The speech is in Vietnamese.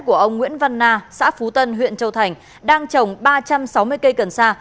của ông nguyễn văn na xã phú tân huyện châu thành đang trồng ba trăm sáu mươi cây cần sa